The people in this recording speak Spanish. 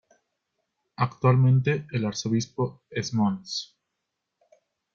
Actualmente el Arzobispo es Mons.